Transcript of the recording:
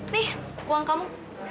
nih uang kamu